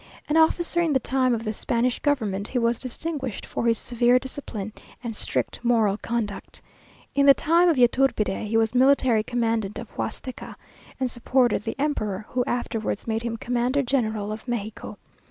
An officer in the time of the Spanish government, he was distinguished for his severe discipline and strict moral conduct. In the time of Yturbide he was military commandant of Huasteca, and supported the emperor, who afterwards made him commander general of Mexico.